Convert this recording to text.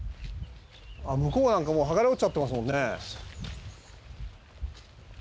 向こうなんかもう剥がれ落ちちゃってますもんね。